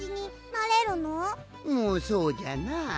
うんそうじゃなあ。